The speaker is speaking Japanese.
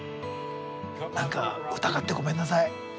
何か疑ってごめんなさい。